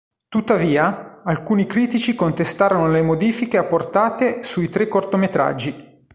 Tuttavia, alcuni critici contestarono le modifiche apportate sui tre cortometraggi.